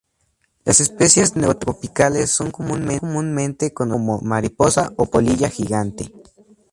Las especies neotropicales son comúnmente conocida como mariposa-polilla gigante.